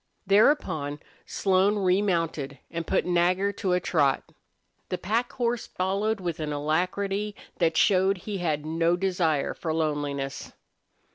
Thereupon Slone remounted and put Nagger to a trot. The pack horse followed with an alacrity that showed he had no desire for loneliness.